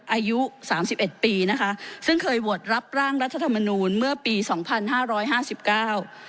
อายุสามสิบเอ็ดปีนะคะซึ่งเคยโหวตรับร่างรัฐธรรมนูลเมื่อปีสองพันห้าร้อยห้าสิบเก้า